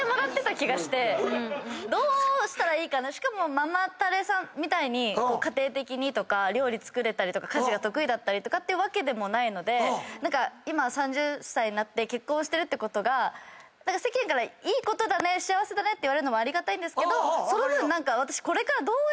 どうしたらいいかしかもママタレさんみたいに家庭的にとか料理作れたりとか家事が得意とかってわけでもないので今３０歳になって結婚してるってことが世間からいいことだね幸せだねって言われるのはありがたいけどその分何か私。